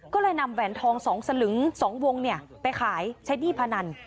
ก็เลยนำแหวนทอง๒สลึง๒วงไปขายใช้หนี้พนัน